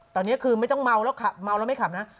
ตอนนี้คือไม่ต้องเมาแล้วขับเมาแล้วไม่ขับนะ